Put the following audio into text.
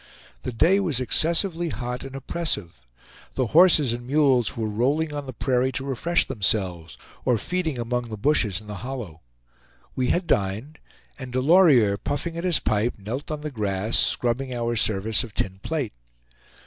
The day was excessively hot and oppressive. The horses and mules were rolling on the prairie to refresh themselves, or feeding among the bushes in the hollow. We had dined; and Delorier, puffing at his pipe, knelt on the grass, scrubbing our service of tin plate.